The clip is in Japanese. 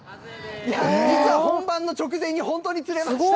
実は本番の直前に、本当に釣れました。